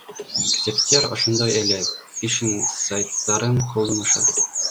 Кесептер ошондой эле, фишинг сайттарын колдонушат.